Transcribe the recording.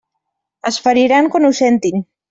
Es feriran quan ho sentin.